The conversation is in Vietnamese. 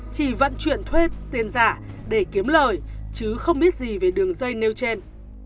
chỉ vận chuyển thuê tiền giả để kiếm lời chứ không biết gì về đường dây nêu trên